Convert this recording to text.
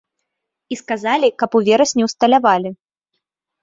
І сказалі, каб у верасні ўсталявалі.